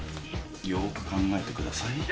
よく考えてください。